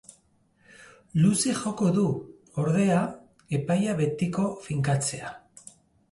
Luze joko du, ordea, epaia betiko finkatzea.